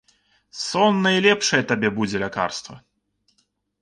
Сон найлепшае табе будзе лякарства.